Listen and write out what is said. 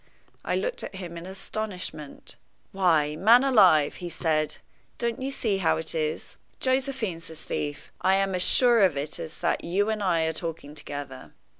I looked at him in astonishment. "Why, man alive," he said, "don't you see how it is? Josephine's the thief! I am as sure of it as that you and I are talking together.